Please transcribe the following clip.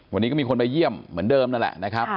วันนี้ก็มีคนไปเยี่ยมเหมือนเดิมนั่นแหละนะครับ